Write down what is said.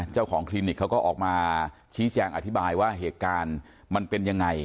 คลินิกเขาก็ออกมาชี้แจงอธิบายว่าเหตุการณ์มันเป็นยังไง